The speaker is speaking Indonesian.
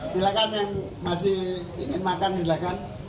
silakan yang masih ingin makan silahkan